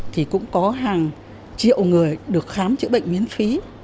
thì cũng có hàng triệu người được khám chữa bệnh miễn phí